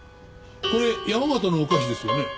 これ山形のお菓子ですよね。